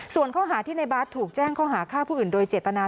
ส่วนข้อหาที่ในบาสถูกแจ้งข้อหาฆ่าผู้อื่นโดยเจตนา